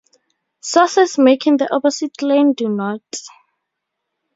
Sources making the opposite claim do not.